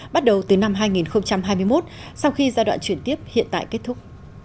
bắt đầu từ năm hai nghìn hai mươi một sau khi giai đoạn chuyển tiếp hiện tại kết thúc